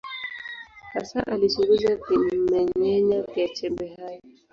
Hasa alichunguza vimeng’enya vya chembe hai.